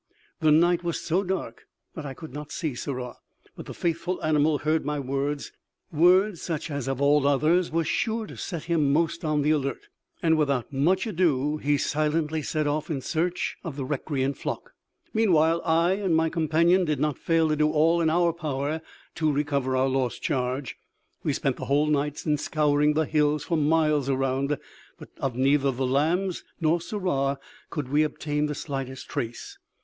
The night was so dark that I could not see Sirrah, but the faithful animal heard my words words such as of all others were sure to set him most on the alert; and without much ado he silently set off in search of the recreant flock. Meanwhile I and my companion did not fail to do all in our power to recover our lost charge. We spent the whole night in scouring the hills for miles around, but of neither the lambs nor Sirrah could we obtain the slightest trace.